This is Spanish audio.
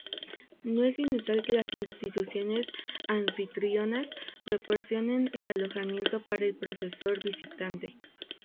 No es inusual que las instituciones anfitrionas proporcionen el alojamiento para el profesor visitante.